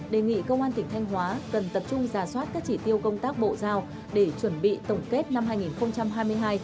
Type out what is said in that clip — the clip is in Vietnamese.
đề nghị công an tỉnh thanh hóa cần tập trung giả soát các chỉ tiêu công tác bộ giao để chuẩn bị tổng kết năm hai nghìn hai mươi hai